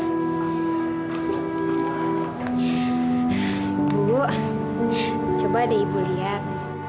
ibu coba deh ibu lihat